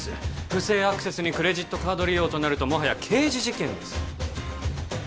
不正アクセスにクレジットカード利用となるともはや刑事事件です